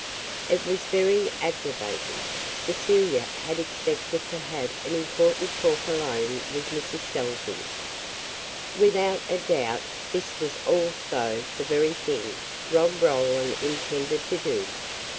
It was very aggravating. Cecilia had expected to have an important talk alone with Mrs. Salvey. Without a doubt this was also the very thing Rob Roland intended to do.